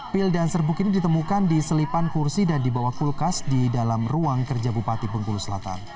pil dan serbuk ini ditemukan di selipan kursi dan di bawah kulkas di dalam ruang kerja bupati bengkulu selatan